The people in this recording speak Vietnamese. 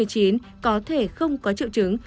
có thể không có triệu chứng